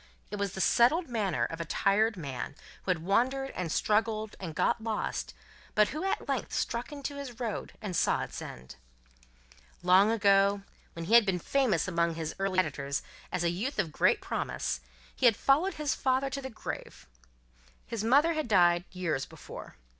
It was the settled manner of a tired man, who had wandered and struggled and got lost, but who at length struck into his road and saw its end. Long ago, when he had been famous among his earliest competitors as a youth of great promise, he had followed his father to the grave. His mother had died, years before.